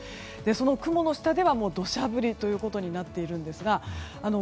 その雲の下では土砂降りということになっています。